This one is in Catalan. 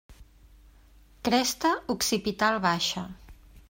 Cresta occipital baixa.